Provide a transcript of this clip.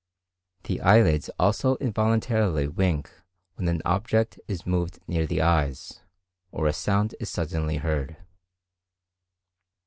The eyelids also involuntarily wink when an object is moved near the eyes, or a sound is suddenly heard.